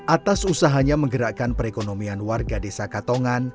atas usahanya menggerakkan perekonomian warga desa katongan